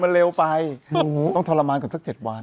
มันเร็วไปต้องทรมานก่อนสัก๗วัน